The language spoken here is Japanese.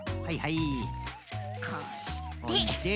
こうして。